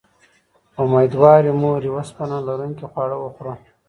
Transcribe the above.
اميدوارې مورې، اوسپنه لرونکي خواړه وخوره